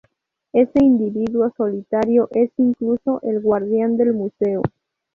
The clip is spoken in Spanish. Ese individuo solitario es incluso el guardián del museo".